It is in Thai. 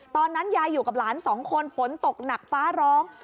ตอนนั้นยายอยู่กับหลานสองคนฝนตกหนักฟ้าร้อง